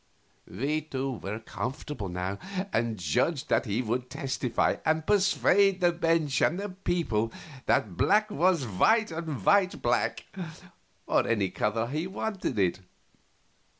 We two were comfortable now, and judged that he would testify and persuade the bench and the people that black was white and white black, or any other color he wanted it.